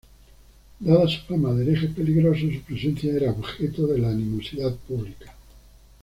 Dada su fama de herejes peligrosos, su presencia era objeto de la animosidad pública.